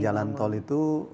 jalan tol itu